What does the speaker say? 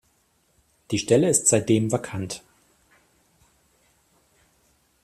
Die Stelle ist seitdem vakant.